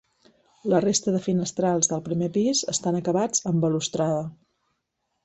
La resta de finestrals del primer pis estan acabats amb balustrada.